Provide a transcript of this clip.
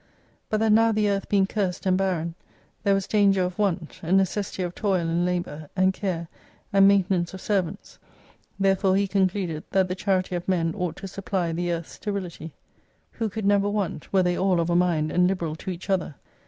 But that now the earth being cursed and barren, there was danger of want, a necessity of toil and labour and care, and maintenance of servants. Therefore he con cluded, that the charity of men ought to supply the earth's sterility, who could never want, were they all of a mind, and liberal to each other.